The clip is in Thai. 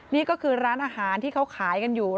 นี่ก็คือร้านอาหารที่เขาขายกันอยู่